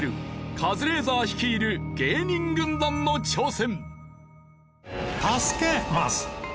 カズレーザー率いる芸人軍団の挑戦。